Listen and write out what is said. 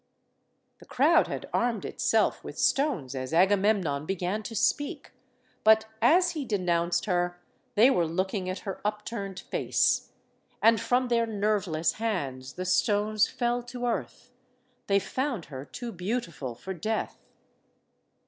The crowd had armed itself with stones as Agamem non began to speak. But, as he denounced her, they were looking at her upturned face. And from their nerveless hands the stones fell to earth. They found her too beautiful for death.